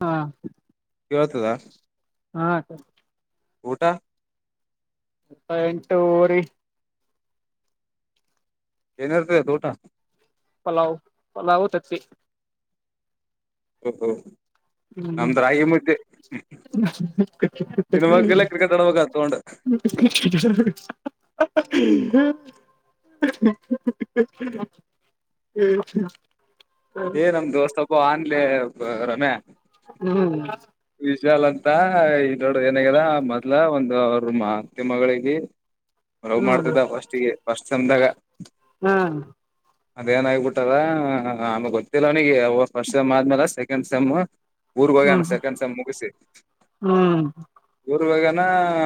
ಹಾ ಕೇಳ್ತದಾ ಹಾ ಊಟ ತ್ತ ಎಂಟು ಊರಿ [unintelligible] ಪಲಾವ್ ಪಲಾವ್ ತತಿ ಹ್ಮ ಹ್ಮ ತಿನ್ಬೇಕಿಲ್ಲ ಹ್ಮ ಕ್ರಿಕೆಟ್ ಆಡ್ಬೇಕ ತಗೊಂಡ್ ಹ ಹ್ಮ ಏ ನಮ್ ದೋಸ್ತ ಅಬ್ಬ ಆನ್ಲೆ ರಮ್ಯಾ ಹಾ ವಿಶಾಲ್ ಅಂತ ಈ ದೊಡ ಏನಾಗ್ಯದ ಮೊದ್ಲ ಒಂದು ಅವ್ರ ಮಾತ್ತ ಮಗಳಿಗೆ ರೋಗ್ ಮಾಡ್ತಿದ್ದ ಫಸ್ಟಿಗೆ ಫಸ್ಟ್ ತ್ದಾಗ ಹಾ ಅದೇಏನ ಆಗಬಿಟ್ಟದ ಆಮಗ್ ಗೊತ್ತಿಲ್ಲ ಅವನಿಗೆ ಫಸ್ಟ್ ಸೆಮ್ ಆದ್ಮೇಲೆ ಸೆಕೆಂಡ್ ಸೆಮ್ ಊರ್ಗ ಹೋಗಿ ಹ್ಮ್ ಸೆಕೆಂಡ್ ಸ್ ಮುಗಿಸಿ ಹ್ಮ್ ರುವಾಗನ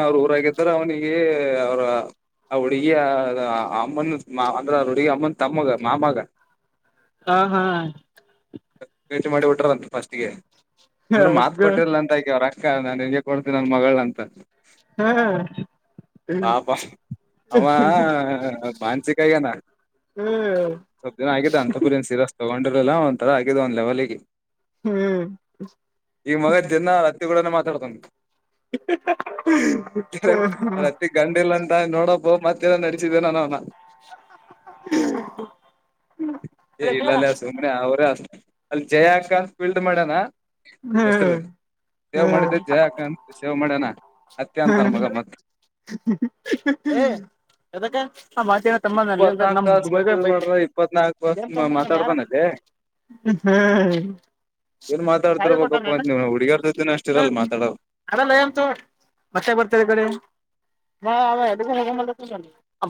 ಅವ್ರ ಊರಾಗಿದಾರ ಅವ್ನಿಗೆ ಅವ್ರ ಅವ ಅವಡುಿಗೆ ಅಮ್ಮನು ಮಾ ಅಂದ ಅವಡುಿಗೆ ಅಮ್ಮನ್ ತಮ್ಮಗೆ ಮಾಮಾಗ ಹಾ ಹಾ ಚು ಮಾಡಿಟಾರಂತ ಫಸ್ಟ್ ಗೆ ಅಂದ್ರೆ ಮಾತ್ು ಹಗ್ಗ ಕೊಟ್ಟಿರ್ಲ ಅಂತ ಆಕ ಅವ್ರ ಅ ನಾನ್ ಹೆಂಗೆ ಕೊಡ್ತೀಿ ನನ್ ಮಗಳ ಅಂತ ಹ್ಮ್ ಪಾಪ ಅವ ಹ್ಮ್ ಬನ್ಸಿಕಾಯಗಾನ ಹ್ಮ್ ಸ್ವಲ್ಪ ದಿನ ಆಗಿದೆ ಅಂತಪುರ ನ್ ಸೀರಸ್ ತಗೊಂಡಿರಲ್ಲ ಒಂಥರ ಆಗಿದೆ ಒಂದ್ ಲೆವೆಲ್ಿಗೆ ಹ್ಮ್ ಈಗ ಮಗದ ಜನ ರತ್ತಿ ಕೂಡನ ಮಾತಾಡ್ತನ್ ಹ್ಮ್ ಅತ್ತೆ ಗಂಂಡಲ್ಲ ನೋಡಬ ಮತ್ತೆಲ್ಲ ನಡಸಿದೇನ ನ ಇಲ್ಲಲ್ಲಿಸ ಮ್ರೆ ಅವ ಅವರತ ಅಲ್ಲಿ ಜಯ ಅಕ ಫೀಲ್ಡ್ ಮಾಡಣ ಹೆಸರು ಸೇವ್ ಮಾಡಿದ್ದೆ ಜಯ ಹಕ ಶೇವ್ ಮಾಡ್ಯಣ ಅತ್ಯಂತರ ಮಗಮ್ಮತ್ ಹ ಅದ ಆ ಮಾತ ತಲ್ ಇಪ್ಪತ್ನಾಕ್ ನಮ್ ತಾಸ ಬ ಮೆಸೇಜ್ ಬ ಮಾಡ್ರ ಇಪ್ಪತ್ನಾಕ್ ಏನ್ ತಾಸ ತಂಬ ಯಾರ ಮಾತಾಡ್ತಾನ ಹ್ಮ್ ಏನ್ ಮಾತಾಡ್ತಿರ ಬಪ್ಪಂತ ನೀವ್ ಹುಡುಗಾರ್ದ್ದಿನ ಅಷ್ಟ ಇರಲ್ ಮಾತಾಡ ಬತ್ತೆ ಬರ್ತಾರೆ ಕಡೆ ಹಾ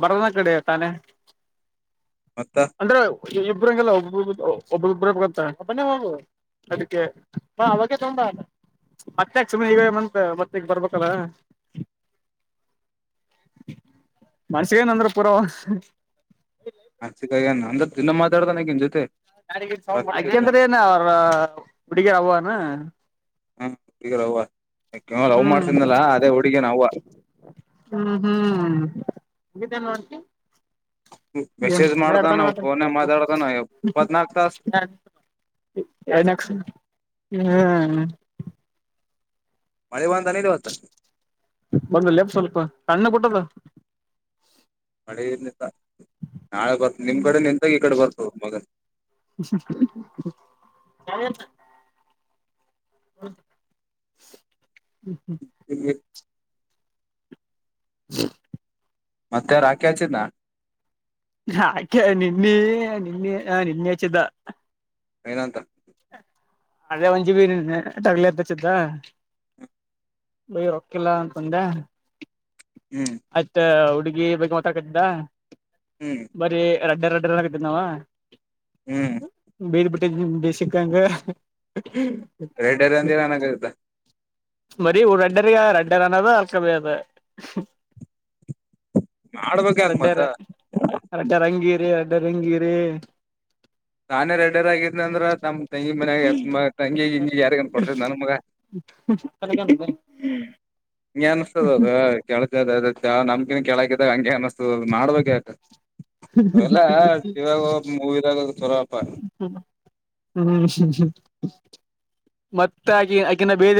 ಬರದನ ಕಡೆ ತಾನೇ ಮತ್ತ ಅಂದ್ರೆ ಇಬ್ರಂಗಗೆಲ್ಲ ಒಬ ಒಬ್ಬ ಒಬ್ಬ್ರಬ್ ಗಂತ ಒಬ್ಬನೇ ಹೋಗು ಅದಕ್ಕೆ ಬಾ ಅವಾಗೆ ತುಂಬಾ ಮತ್ತೆಕ್ ಸುಮ್ನೆ ಈಗ ಮತ್ ಮತ್ತಗ ಬರ್ಬೇಕಲ್ಲ ಮನಸಿಗೆ ನಂದ್ರ ಪೂರ ಆಚಿಕಾಯಏ ಅಂದ್ರ ದನ್ನ ಮಾತಾಡ್ದ ನಗನ್ ಜೊತೆ ರಾತ್ರಿ ಜೊತೆ ಯಾಕಂದ್ರ ಏನ ಅವ್ರ ಹುಡುಗರ ಅವವಾನ. ಹ್ಮ್ ಬ. ಲವ್ ಹ್ಮ್ ಮಾಡ್ತಿಂದಲ್ಲಾ ಅದೇ ಹುಡುಗಿ ನ್. ಹಗಿದ್ದ ನೋಂಟಿ. ಎ ಮೆಸೇಜ್ ಮಾಡ್ತಾನ ಎಡ್ತ. ಫೋನ್ ಮಾತಾಡ್ತಾನ ಇಪ್ಪತ್ನಾಕ್ ತಾಸ ನಕ್ ಹ್ಮ್ ಮಾಡಳ ವಂತ ನೀ ರತ ಬಂದ ಲೆಪ್ ಸ್ವಲ್ಪ ಅಣ್ಣ ಕೊಟ್ಟದ ಮಳೆ ನಾಳೆ ಬರ್ತ ನಿಮ್ ಕಡೆ ಎಂತಾಗ ಈ ಕಡೆ ಬರ್ತ ಮಗನ್ ಯ ಹ್ಮ ಹ್ಮ ಹ್ಮ್ ಹ್ಮ ಅತ್ತೆ ರ ಆಾಕ್ಯಚ ನ ಆಾಕೆ ನಿನ್ನೆ ನಿನ್ನೆ ಹ ನಿನ್ನೆ ಯಚಿದ್ದ ಏನಂತ ಅದೇ ಒಂಜಿ ಬಿ ತಗಲತ್ತ ಸ್ದ ಬೈ ರೊಕಲ್ಲ ತಂದ ಹ್ಮ್ ಆಯ್ತ ಹುಡ್ಗಿ ಬಗ್ ಮಾತಾಕ್ದ ಹ್ಮ್ ಬರೀ ಎರಡ್ಡರ್ಡ್ಡಾಗತ ನಾವ ಹ್ಮ್ ಬಸಿಕಂಗ ರೆಡ್ಡರಂದರಾನಗತ ಮರಿ ರಡ್ಡರ್ಗೆ ರಡ್ಡರ್ ಅನ್ನದು ಅಲ್ಕಮೇದ ಮಾಡ್ಬೇಕ್ ಯಾಕ ರಡ್ಡ ಮತ್ತ ರಡ್ಡ ರಂಗಿ ರಿ ಅಡ್ಡರಂಗಿರಿ ನಾನೇ ರೆಡರ್ ಆಗಿದ ಅಂದ್ರ ತಮ್ಮ್ ತಂಗಿ ಮನ್ಾಗ ತಂಗಿ ಹಿಂಗಿ ಯಾರಿಗನ್್ ಕೊಡ್ತಿದ್ ನನ್ ಮಗ ಕ ಹಂಗೆ ಅನ್ಸ್ತ ಅದ ಕೆಳಾ ನಮ್ಗನ್ ಕೆೇಳಕಿದ ಹಂಗೆ ಅನ್ಸ್ತದದ್ ಮಾಡ್ಬೇಕ ಆ್ತ ಅವಲ್ಲಿವಾಗ ಮೂವಿ ಇದಿದಾಗ ಹ ಹ್ಮ್ ಹ್ಮ ಹ್ಮ ಮತ್ತ ಆಕ ಆಕಿನ ಬೀದ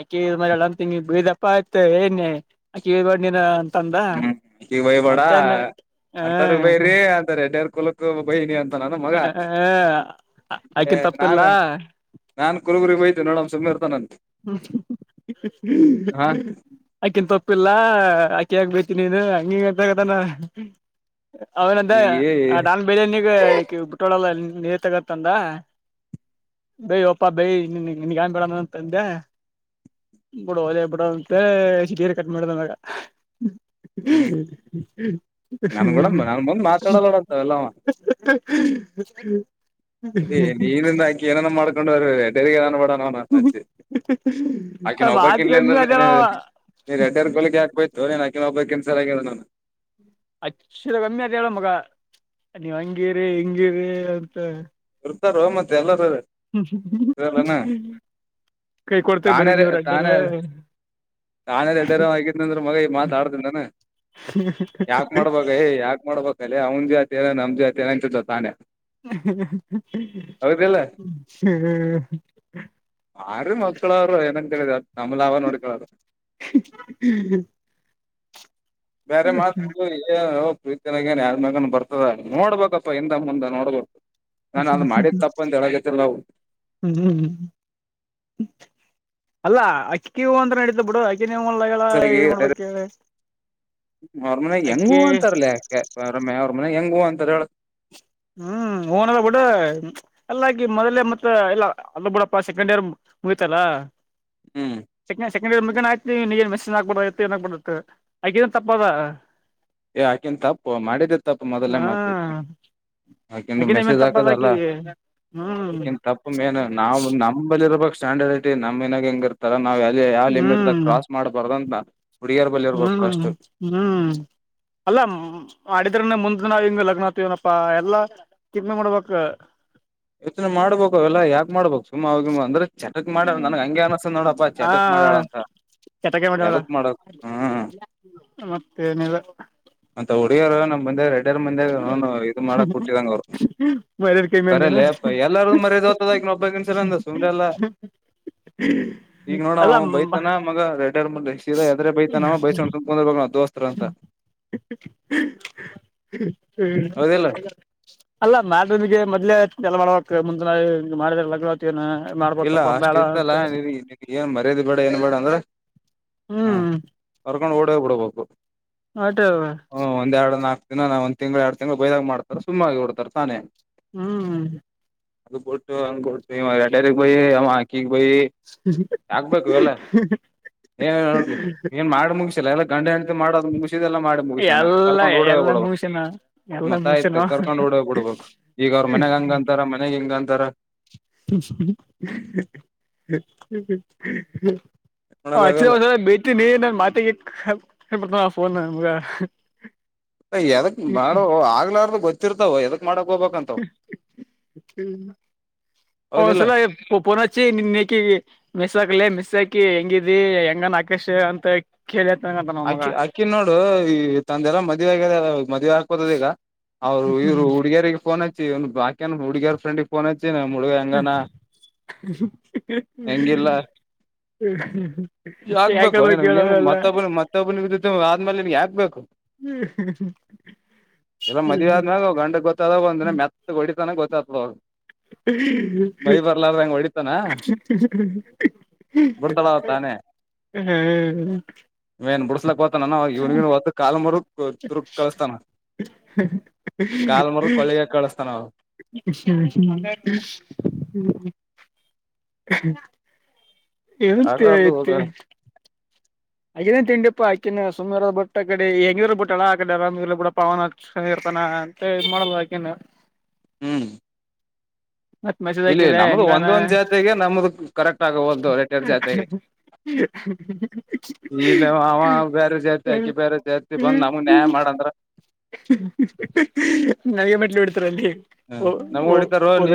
ಅಕಿ ಮ ಎಂಗಿ ಬೇದಪ್ಪ ಆಯ್ತ ಅೆಳ್ ಬ ನೀ ಹ್ಮ್ ಈ ವೈಬಾಡ ಅಂತರ್ ಹ ವೈರಿ ಅಂತಡಾರ್ ಕುಲಕ್ಕ ಬೈನಿ ಅಂತ ನನ್ನ ಮಗ ಮತ್ತೆ ಆಕಿನ್ ತಪ್ಪಿಲ್ಲ ನಾನು ನಾನ್ ಕುಲಗುರಿಗೆ ಬಯ್ತೆನ ನೋಡಮ್ ಸುಮ್ಮನೆ ಇರ್ತಾನಂತೆ ಆಕನ್ ತಪ್ಪಿಲ್ಲ ಕಕ್ ಬತಿ ನೀನು ಹಂಗಿಂಗ ಅಂತಕ್ಕತಾನ ಅವನದ ಈ ಡಾನ್ ಬಿರಿಯಾನಿಿಗೆ ಲ್ಲ ನೇತಗತಂದ ಬೈಯ ಒಪ್ಪ ಬೈ ನಿ ನಿಗಿ ಬಿೇಡಂತಂದೆ ಬಿಡ ಅದೇ ಬಿಡ ಅಂತ ಸಿಟೀರ್ ಕಟ್ ಮಾಡಿದಾಗ ಹ್ಮ್ ನನ್ ಕೂಡ ಹ್ಮ್ಮ ಹ್ಮ್ ನನ್ ಮುಂದ್ ಮಾತಾಡಲ್ಲೋಡ ಅಂತವೆಲ್ಲ ಅವ ಹ ಏ ನೀನಿಂದ ಆಾಕಿ ಏನ ಮಾಡ್ಕೊಂಡ್ರ ೇಾನ ಬಡಣನ ಅಜ್ಜಿ ಆಾಕಿನೊಬ್ಬ ಮಾತಿ ಕಿನ್ಲಿ ಅಂದ್ರ ಕಮ್ಮಿ ಅದೇನವ ನೀನ್ ರೆಡ್ರ್ ಕೋಲಿಕ್ಕೆ ಹಾಕ್ಯ್ ನೀನ್ಕಿನೊಬ್ಬ ಕಿನ್ ಸರ್ ಆಗ ನಾನು ಹಚ್ಚಿದ ಕಮ್ಮಿ ಅತ್ ಹೇಳ ಮಗ ನೀವ್ ಹಂಗಿರಿ ಹಂಗಿರಿ ಅಂತ ಇತಾರ ಮತ್ತೆ ಎಲ್ಲರ ಹ್ಮ ಕೈ ಕೊಡ್ತ ಬರ ನೀವ್ರಲ್ಲ ನಾೆ ದಡ್ಡರ ಆಗಿದ ಅಂದ್ರ ಮಗ ಈ ಮಾತ ಆಡತನಾನ ಯಾಕ ಮಾಡ್ಬಯ ಯಾಕ ಮಾಡ್ಬೇಕಲ್ಲೇ ಅವನ್ ಜಾತಿಯನ ನಮ್ದ ಜಾತಿ ನ ಅಂತ ತಾನೇ ಹ್ಮ್ ಯಾರ ಮಕ್ಕಳವರು ಏನಂತಿದ ನಮ್ಮಲಾವ ನೋಡ್ಕಳರು ಹ್ಮ್ ಹ್ಮ ಬೇರೆ ಮಾತು ತನಾಗ ನ್ ಯಾರ ಮಗ ಬರ್ತದ ನೋಡ್ಬೇಕಪ್ಪ ಹಿಂದ ಮುಂದೆ ನೋಡ್ಬೇಕು ನಾನ್ ಅದ್ ಮಾಡಿದ ತಪ್ಪ ಅಂತ ಹೇಳಗತಿಲ್ಲ ನಾವು ಹ್ಮ್ ಹ್ಮ್್ಮ್ ಅಲ್ಲಾ ಅಕ್ಕಿ ಅಂತ ನಡಿದ್ದ ಬಿಡು ನೀವು ಮಳ್ಳಗಳ ಏನ್ ಮಾಡ್ಬೇಕಿ ್ಮ ಅವ್ರ ಮನೆಗ್ ಹೆಂಗ ಹೂ ಅಂತರ್ಲ ಯಾಕೆ ಅವ್ರ ಮ ಅವ್ರ ಮನೆ ಹೆಂಗ ಹೂ ಅಂತಾರ ಹೇಳ ಹ್ಮ್ ಊನಲ್ಲ ಬಿಡ ಅಲ್ಲ ಮೊದಲೇ ಮತ್ತ ಇಲ್ಲ ಅಲ್ಲ ಬಿಡಪ್ಪ ಸೆಕಂಡರ್ ಮುಗತಲ್ಲ ಹ್ಮ್ ಸಕೆಂಡ್ ಮುಗ ಆಯ್ತ ನೀ ಮೆಸೇಜ ಆಗ್ಬಡ ಏಬಡತ್ತ ಆಗೇನ್ ತಪ್ಪದ ಏ ಯಾಕನ್ ತಪ್ಪು ಮಾಡಿದಿ ತಪ್ಪು ಮೊದಲೇ ಹಾ ಮಾಡ್ತೀರಿ ಯಾಕಂಡ ಆಕಿನ ಮೇನ್ ಮೆಸೇಜ್ ತಪ್ಪದ ಹಾಕದಲ್ಲ ಆಕಿಗೆ ಹ್ಮ್ ಅಕನ್ ತಪ್ಪನ್ ನಾವು ನಮಲ್ಲಿ ಇರಬೇಕಕ್ ಸ್ಟ್ಯಾಂಡರ್ಡ್ ಐಟ ನಮ್ನಾಗ ಹೆಂಗ ಇರ್ತಾರ ನಾವ್ಲ್ಲಿ ಯಾವ ಲಿಮಿಟ್ ದಾಗ ಹ್ಮ್ ಕ್ರಾಸ್ ಮಾಡ್ಬಾರ್ದ ಅಂತ ಹ್ಮ್ ಹ್ಮ್ ಅಲ್ಲ ಅಡಿದ್ರನೆ ಮುಂದ್ ನಾವವು ಹಿಂಗ ಲಗ್ನ ಆತವನಪ್ಪಾ ಎಲ್ಲಾ ಕಿಮಿ ಮಾಡ್ಬೇಕಕ್ ಯವತ್ನೆ ಮಾಡ್ಬೇಕು ಅವೆಲ್ಲಾ ಯಾಕ್ ಮಾಡಬಬೇಕಕ್ ಸುಮ್ ಅವ ಅಂದ್ರೆ ಚಟಕ್ ಮಾಡಾ ನನ್ಗ್ ಹಂಗೆ ಅನಸ್ಸತ ನೋಡಪ್ಪಾ ಚಟಕ್ ಮಾಡ್ಯಾಳ ಅಂತ ಕೆಟಕ ಮಾಡಳ ಎದಕ್ ಮಾಡಕ್ ಹ್ಮ್ ಮತ್ತೆ ಮತ್ತ ಹುಡುಯರು ನಮ್ ಬಂದ ಎರಡ್ಯರ್ ಮಂದಾಗ ನ ಇದು ಮಾಡಕ್ ಬಿಟ್ಟಿದಂಗ ಅವ್ರು ಮರ್ಯಾದ ಕಮ್ಮಿ ಅಂದೆನ ಕರಲ್ಲ ಅಪ್ಪ ಎಲ್ಲಾರ್ದು ಮರ್ಯಾದೆ ಹತದಕನೊಬ್ಬ ಇನ್ಸಲ್ಲ ಅಂದ ಸುಮ್ರ ಎಲ್ಲಾ ಈಗ ನೋಡ ಅಲ್ಲ ಅವ ಬೈತಾನ ಮಗ ರ ಎಿ ಸೀದ್ರೆ ಬೈತಾನ ಬೈಸ್ಕೊಂಡಂದ ನ ದೋಸ್ತರ ಅಂತ [inaudible] ಹೌದಿಲ್ಲ ಹ್ಮ ಅಲ್ಲ ಮಾಡನಿಗೆ ಮೊದ್ಲೇಲ ಮಾಡ ಮುಂದಿನಗೆ ಮಾಡಿದ ಲಗವತನ್ನು ಇಲ್ಲ ಅಷ್ಟ ಇತ್ತಲ್ಲಾ ನೀ ಏನ್ ಮರ್ಯಾದೆ ಬೇಡ ಏನ್ ಬೇಡ ಅಂದ್ರೆ ಹ್ಮ್ ಕರ್ಕೊಂಡ್ ಓಡೆ ಬಿಡ್ಬೇಕು ಆಟ ಹ್ಮ ಒಂದ್ ಎರಡು ನಾಕು ದಿನ ನಾ ಒಂದ ತಿಂಗಳು ಎರ ತಿಂಗಳು ಬೈದಾಗ ಮಾಡ್ತಾರೆ ಸುಮ್ಮಾಗಿ ಹ ಹೊಡ್ತ ತಾನೇ ಹ್ಮ್ ಅದು ಕೊಟ್ಟು ಕೊಟ್ಟಡರೆಕ್ಟ್ ಹಾಕಿ ಬಯಿ ಆಗ್ಬೇಕು ಎಲ್ಲ ಏ ಏನ್ ಮಾಡ ಮುಗಿಸಲ್ಲ ಎಲ್ಲ ಗಂಡ ಅಂತೆ ಮಾಡದು ಲ್ಲ ಮಾಡಿ ಮುಗಿಸಾನ ಎಲ್ಲ ಕರ್ಕೊಂಡ್ ಓಡೋಗ್ ಎಲ್ಲ ಬಿಡಬು ಮುಗಸನ ಎಲ್ಲ ಮತ್ತ ಆಯ್ತು ಮುಗಸನ ಕರ್ಕೊಂಡ್ ಓಡೆೋಗ್ಬ ಬಿಡ್ಬು ಈಗ ಅವ್ರ ಮನೆಗ್ ಹಂಗ ಅಂತಾರ ಮನೆಗೆ ಹಿಂಗ ಅಂತಾರ [inaudible] ಹ ಮಾಡಕ್ ಆಗಲ್ಲ ಹಚ್ಚ ಭೇಟ ನೀ ನನ್ ಮಾತೆಗೆತ ಪನ ಮುಗ ಯದಕ್ ಮಾಡೋ ಆಗ್ಲಾರ್ದು ಗೊತ್ತಿರ್ತಾವ ಎದಕ್ ಮಾಡಕ್ ಹೋಗಬಬೇಕಂತಾವ ಹ್ಮ ಅವನ್ ಸಲ ಪನಾಚಿಕಿ ಮೆಸಾಕಲ ಮೆಸಾ ಕಿ ಹೆಂಗಿದಿ ಹೆಂಗನ್ ಆಕೇಶ್ ಅಂತ ಕೇಳತ್ ಅಕ್ಕಿ ಅಕ್ಕಿ ನೋಡು ಈ ತಂದೆಲ್ಲಾ ಮದ್ವಿ ಆಗ್ಯಿದೆ ಮದ್ೆ ಹಾಕ್ಬೋದದ ಈಗ ಅವ್ರು ಇವರು ಹುಗಾರರಿಗೆ ಫನ್ ಹಚ್ಚಿ ಒ ಬಕ ಹುಡುಗರ ಫ್ರೆಂಡ್ ನ್ ಹಚ್ಚಿ ಮುಳಗ ಹಂಗಾನ ಹೆಂಗಿಲ್ಲ ಯಾಕಮ್ಮ ಆಗ್ಬೇಕುನ್ ಕೇಳೋದಲ್ಲ ಮತ್ತಬ್ಬ ಮತ್ತ ಬ್ಬ ಆದ್ಮೇಲೆ ನಿಮಗೆ ಹಾಕ್ಬೇಕು ಎಲ್ಲ ಮದ್ ಆದ್ಮ್ಯಾಗ ಗಂಡ ಗೊತ್ತಾದ ಒಂದಿನ ಮೆತ್ತ ಹೊಡಿತಾನ ಗೊತ್ತತ್ವ ಹ್ಮ ಹೊಡಿತಾನ ಬಿಡ್ತಾಳ ಅವ ತಾನೇ [inaudible] ಹ್ಮ್ ಇನ್ ಬಿಸಸ್ಲಕ್ ಹೊತ ನಾನ ಇವನಗವತ್ತು ಕಾಲ್ ಮರು ತುರ್ಗ್ ಕಳಸ್ತಾನ ಕಾಲ್ ಮರ್ ಕೊಳ್ಳಗ ಕಳಸ್ತಾನ [unintelligible] ಎಂತ ಆಗಾರ್ದು ಹೋಗ ಐತಿ ಆನೇ ತಿಂಡಿಪ್ಪಾ ಆಕನ ಸುಮ್ಮರ ಬುಟ್ಟ ಆ ಕಡೆ ಹೆಂಗಿದರ ಬ ಬಿಟ್ಟಲ್ಲಾ ಆಡೆ ಅರಾಮಡ ಪ ಅಂತ ಇ ಮಾಡಲ್ ಯಾಕೆನು ಹ್ಮ್ ಮತ್ ಇಲ್ಲಿ ಮಸದಕಿದೆ ನಮ್ದು ಹೆಂಗಾನ ಒಂದೊಂದ್ ಜಾತೆಗೆ ನಮ್ದು ಕರೆಕ್ಟ್ ಆಗವಲ್ದು ಎರಡ್ ಎರಡ್ ಜಾತೆಗೆ ಹ ಇಲ್ಲ ಅವ ಬೇರೆ ಜಾತಿ ಆಾಕಿ ಬೇರೆ ಜಾತಿ ಬಂದ್ ನಮಗ್ ನ್ಯಾಯ ಮಾಡಂದ್ರ ನನಗೆ ಮೆಟ್ಲು ಬಿಡ್ತರಲ್ಲಿ ಹ್ಮ ನಮ್ ಹೊಡಿತಾರ ನೀ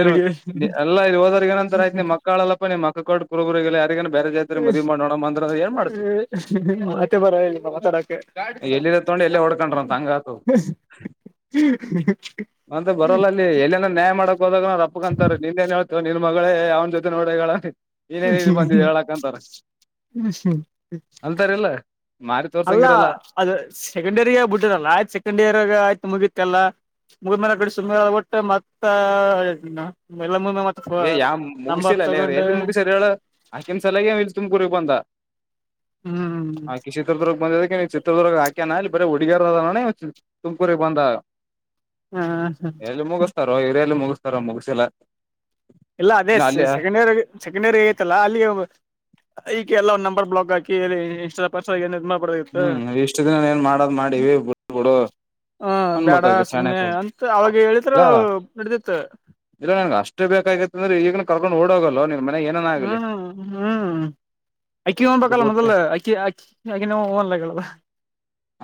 ಎಲ್ಲ ಇಲ್ಲಿ ಹೋದೋ ಏನಂತಾರ ಆಯ್ತ ನಿ ಮಕ್ಕಾಳಲ್ಲಪ್ಪ ನೀ ಮಕ್ಕ ಕ ಕುರು [inaudible] ಹ ಹ ಮತ್ತೆ ಬರ ಮಾತಾಡಕ್ಕೆ ಎಲ್ಲಿರ ತೊಂಡ್ ಎಲ್ಲೇ ಹೊಡ್ಕೊಂಡ್ರಂತ ಹಂಗಾತ ಹ್ಮ್ ಲ್ಲ ಅಲ್ಲಿ ಎಲ್ಲನ ನ್ಯಾಯ ಮಾಡಕ್ ಹೊದಾಗ ಅವ್ರಪ್ಪಕ್ಕಕಂತಾರೆ ನಿಂದ ಏನ್ ಹೇಳ್ತ್ಯೂ ನಿನ್ ಮಗಳೇ ಯಾವನ್ ಜೊತೆನೊ ಒಡಗಳ ಏನೇನ್ ಬಂದಿದೆ ಹೇಳಕ್ಂತಾರ ಹ್ಮ್ ಹ್ಮ್ ಅಂತಾರಿಲ್ಲ. ಮಾರಿ ಅಲ್ಲ ತೋರ್ಸಂಗಿರಲ್ಲ ಅದು ಸೆಕೆಂಡ್ ಇಯರ್ ಆ ಬಿಟ್ಟಿರಲ್ಲ ಆಯ್ತು ಸೆಕೆಂಡ್ ಇಯರ್ಗ ಆಯ್ತು ಮುಗಿತ್ ಎಲ್ಲಾ. ಮುಗದ್ ಮೇಲೆ ಬಿಡ್ ಸುಮ್ನೆ ಅಗಬಿಟ್ಟೆ ಮತ್ತ ಎಲ್ಲ ಮುಗಿದ ಮತ್ತ ಏ ಯಾವ್ ನಂಬರ್ ಮುಗಸಿಲ್ಲಲ್ಲೇ ಅವ್ರು ತಗೊಂಡು ಎಲ್ಲಿ ಮುಗಸ್ರ ಹೇಳ ಆಕಿನ್ ಸಲಗೆ ಇಲ್ಲಿ ತುಮಕೂರಿಗ್ ಬಂದ. ಹ್ಮ್ ಆಕಿ ಚಿತ್ರದುರ್ಗ ಬಂದಿದುಕೆ ಚಿತ್ರದುರ್ಗ ಹಾಗ ಕೆನಲಿ ಬರ ಹುಡ್ಗೆರ್ ಅದ ತುಮಕೂರಿಗ್ ಬಂದ. ಹ ಎಲ್ಲಿ ಮುಗಿಸ್ತಾರೋ ಇವ್ರಯಲ್ಲಿ ಮುಗಿಸ್ತಾರೋ ಮುಗಸಿಲ್ಲ. ಇಲ್ಲ ಅದೇ ಸೆಕೆಂಡ್ ಇಯರ್ ಸೆಕೆಂಡ್ ಇಯರ್ ತಲ್ಲ ಅಲ್ಲಿ ಎಲ್ಲ [unintelligible] ಬ್ಲಾಕ್ ಹಾಕಿ ಇನ್ಸ್ಟ್ ಪಸ್ಟ ಇನ್ ಹ್ಮ್ ಇಷ್ಟು ದಿನ ಏನ್ ಮಾಡದ್ ಮಾಡಿ ಬಿಟ್ ಬಿಡು. ಹ ಅನ್ಬೇಕ್ ಬೇಡ ಆಗಿತ್ ಚಾಣಕ ಸುಮ್ನೆ ಅಂತ ಅವಾಗ ಹೇಳಿದ್ರ ಇಲ್ಲ ನಡ್ದಿತ್ತು ಇಲ್ಲ ನನ್ಗೆ ಅಷ್ಟೇ ಬೇಕ್ ಅಂದ್ರೆ ಇಗ್ಲೆ ಕರ್ಕೊಂಡ್ ಹೊಡಗಲ್ಲ ನೀ ಹ್ಮ್ ಹ್ಮ್ ಅಕ್ಕಿ ಹ್ಮು ಅದು ಅನ್ಬೇಕಲ್ಲ ಬಿಟ್ಟು ಮೊದಲು ಅಕ್ಕಿ ಅಕ್ಕಿ ಅಕಿನವು [unintelligible]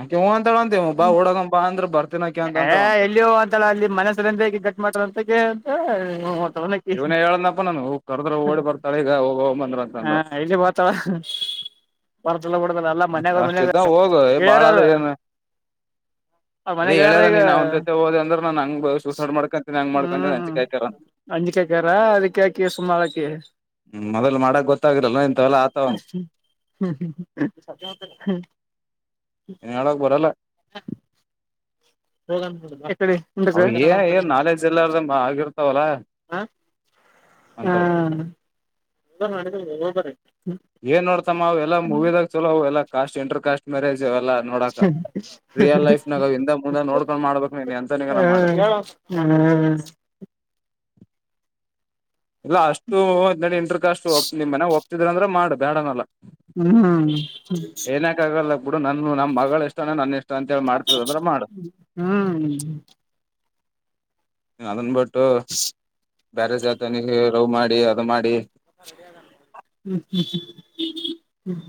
ಅಕಿ ಹು ಅಂತಳಂತೆ ಬಾ ಹೊಡಗನ್ ಬಾ ಅಂದ್ರ ಬರ್ ಎ ಎಲ್ಲಿಗ್ ಹೊತಳ ಅಲ್ಲಿ ಮನಸರಿ [unintelligible] [unintelligible] ಇವ್ನೇ ಹೇಳದ್ನಪ್ಪ ನನ್ಗು ಕರ್ದ್ರ ಓಡಿ ಬರ್ತಾಳಿ ಈಗ [unintelligible] ಹ ಅಂತಂದ್ರ ಇಲ್ಲಿ ಬರ್ತಾಳ ಬರ್ತಲ್ಲ ಬಿಡದಲ್ಲ ಎಲ್ಲ ಮತ್ ಮನ್ಯಾಗ ಅಷ್ಟ್ ಮನ್ಯಾಗ ಇದ್ದಾಗ ಹೋಗು ಗೆಳೆಯರ ಬಾಳಾದ್ರೆ ಅವ್ರು ಏನ - ಅವ್ರ - ಮನೆ ಅದೇ ಗೆಳೆಯರ ಹೇಳ್ಯಾರ ಈಗ ನೀನ್ ಅವ್ ಜೊತೆ ಹೋದಂದ್ರೆ ನನ್ ಹಂಗ ಸೂಸೆಡ್ ಮಾಡ್ಕಂತೀನ ಹಂಗ ಮಾಡ್ಕೊಂತಿನಿ ಹ್ಮ್ ಅಂಚಿಕೆ ಅ [unintelligible] ಅಂಜಿಕೆ ಅಕರಾ ಅದಿಕೆ ಸುಮ್ಮಾಳಕ್ಕಿಳ. ಹ್ಮ್ ಮೊದಲ್ ಮಾಡಕ್ ಗೊತ್ತಾಗಿರಲ್ಲ ಇಂತವೆಲ್ಲಾ ಆತವಂತ ಹ್ಮ್ ಹ್ಮ ಹ ಹ್ಮ ಎಳಗ್ ಬರಲ್ಲ ಹೋಗ [unintelligible] ಅವ್ನಿಗೆ ಏ ಏ ನಾಲೆಜ್ ಎಲ್ಲಾರ್ದ ಆಗಿರ್ತಾವಲ್ಲ. ಹಾ ಅಂತವು [unintelligible] ಹೋಗ್ ಬರೀ ಏನ್ ನೋಡ್ತಮ್ಮಾ ಎಲ್ಲ ಮೂವಿದಾಗ ಚಲೋ ಎಲ್ಲಾ ಕಸ್ಟ್ ಇಂಟರ್ ಕಸ್ ಮ್ಯೇಜ್. ಎಲ್ಲಾ ನೋಡಾಕ ರಿಯಲ್ ಲೈಫ್ ನಾಗ ಹಿಂದೆ ಮುಂದೆ ನೋಡ್ಕೊಂಡ್ ಮಾಡ್ಬೇಕ್ ನೀ ಎಂತನಿಗನ ಮಾಡು. ಹ್ಮ್ ಹ್ಮ್ [unintelligible] ಇಲ್ಲ ಅಷ್ಟು ಇಂಟರ್ ಕಷ್ಟು ನಿಮ್ ಮನೆ ಒಪ್ಪಿದ್ರ ಅಂದ್ರೆ ಮಾಡ ಬೇಡ ಅನ್ನಲ್ಲ. ಹ್ಮ್ ಹು ಬಿಡು ನನ್ಗು ನಮ್ಮ ಮಗ್ಳ್ ಇಷ್ಟನೆ ನನ್ ಇ ಹ್ಮ್ ಅದನ್ ಬಿಟ್ಟು ಬ್ಯಾರೆ ಜಾತನಿಗೆ ಲವ್ ಮಾಡಿ ಅದು ಮಾಡಿ. ಹ್ಮ್ ಹ್ಮ್ ಹ್ಮ ಹ್ಮ್